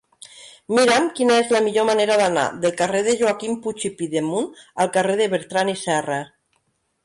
Mira'm quina és la millor manera d'anar del carrer de Joaquim Puig i Pidemunt al carrer de Bertrand i Serra.